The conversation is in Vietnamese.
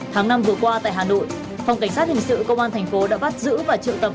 tháng năm vừa qua tại hà nội phòng cảnh sát hình sự công an thành phố đã bắt giữ và triệu tập